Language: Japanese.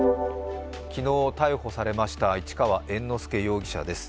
昨日逮捕されました市川猿之助容疑者です。